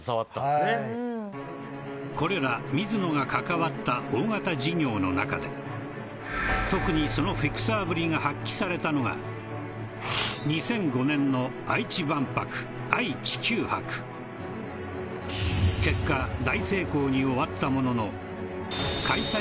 はいこれら水野が関わった大型事業の中で特にそのフィクサーぶりが発揮されたのが結果大成功に終わったものの開催